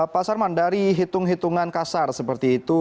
pak sarman dari hitung hitungan kasar seperti itu